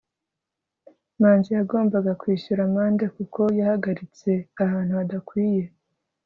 manzi yagombaga kwishyura amande kuko yahagaritse ahantu hadakwiye